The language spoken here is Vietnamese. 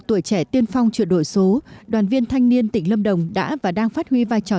tuổi trẻ tiên phong chuyển đổi số đoàn viên thanh niên tỉnh lâm đồng đã và đang phát huy vai trò